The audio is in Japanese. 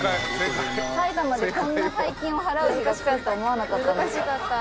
埼玉でこんな大金を払う日が来ると思わなかったな。